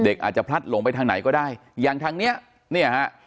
อาจจะพลัดหลงไปทางไหนก็ได้อย่างทางเนี้ยเนี่ยฮะ